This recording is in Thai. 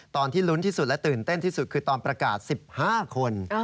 ตอนที่ลุ้นที่สุดและตื่นเต้นที่สุดคือตอนประกาศ๑๕คน